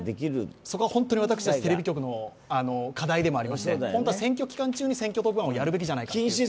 そこは私たちテレビ局の課題でありまして、本当は選挙期間中に選挙特番をやるべきじゃないか。